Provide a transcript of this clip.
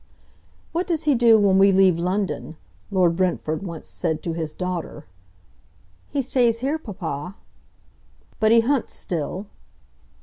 "What does he do when we leave London?" Lord Brentford once said to his daughter. "He stays here, papa." "But he hunts still?"